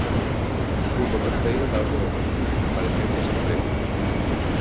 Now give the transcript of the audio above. Punto terceiro da orde do día, comparecencias en pleno.